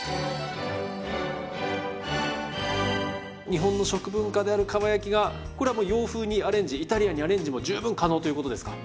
日本の食文化であるかば焼きがこれはもう洋風にアレンジイタリアンにアレンジも十分可能ということですか？